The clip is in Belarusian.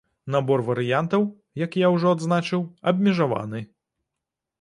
Набор варыянтаў, як я ўжо адзначыў, абмежаваны.